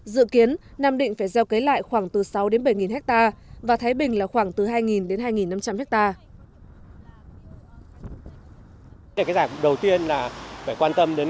dự kiến nam định phải gieo cấy lại khoảng từ sáu bảy hecta và thái bình là khoảng từ hai hai năm trăm linh hecta